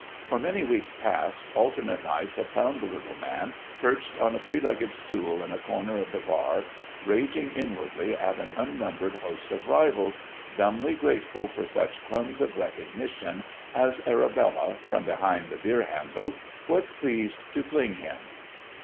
For many weeks past, alternate nights had found the little man perched on a three legged stool in a corner of the bar, raging inwardly at an unnumbered host of rivals, dumbly grateful for such crumbs of recognition as Arabella, from behind the beer handles, was pleased to fling him.